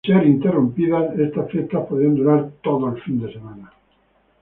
Sin ser interrumpidas, estas fiestas podían durar todo el fin de semana.